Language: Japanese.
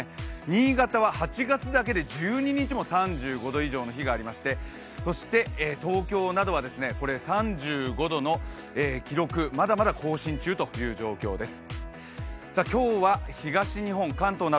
新潟は８月だけで１２日も３５度以上の日がありまして、東京などは３５度の記録、まだまだ更新中という状況です。